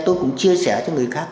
tôi cũng chia sẻ cho người khác